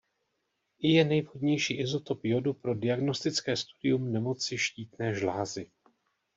I je nejvhodnější izotop jodu pro diagnostické studium nemocí štítné žlázy.